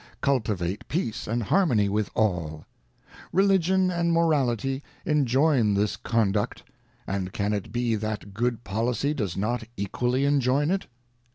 Cultivate peace and harmony with | all. ŌĆö Religion and Morality enjoin this con i duct *, and can it be that good policy does not equally enjoin it